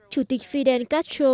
chủ tịch fidel castro